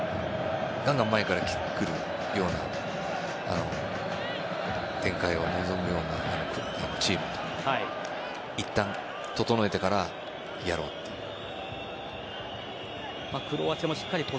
ガンガン前から来るような展開を望むようなチームといったん、整えてからやろうというチームと。